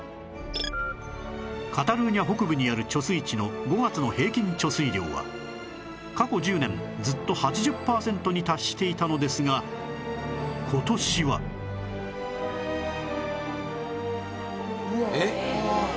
カタルーニャ北部にある貯水池の５月の平均貯水量は過去１０年ずっと８０パーセントに達していたのですが今年はえっ！？